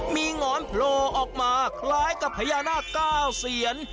มีหงอนโผล่ออกมาคล้ายกับพญานาคเก้าเซียน